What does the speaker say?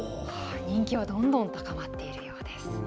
人気はどんどん高まっているようです。